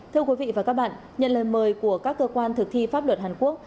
thưa quý vị và các bạn nhận lời mời của các cơ quan thực thi pháp luật hàn quốc